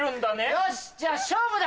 よしじゃあ勝負だ。